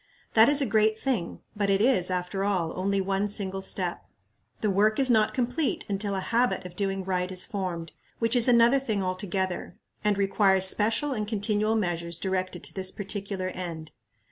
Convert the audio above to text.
That is a great thing, but it is, after all, only one single step. The work is not complete until a habit of doing right is formed, which is another thing altogether, and requires special and continual measures directed to this particular end.